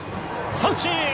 三振！